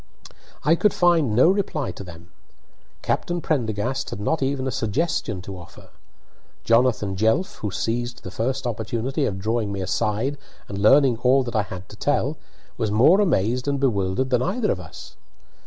I could find no reply to them. Captain Prendergast had not even a suggestion to offer. Jonathan Jelf, who seized the first opportunity of drawing me aside and learning all that I had to tell, was more amazed and bewildered than either of us.